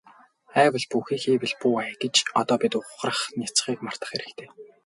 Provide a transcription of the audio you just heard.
АЙвал бүү хий, хийвэл бүү ай гэж одоо бид ухрах няцахыг мартах хэрэгтэй.